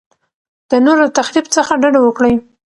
د نورو د تخریب څخه ډډه وکړئ.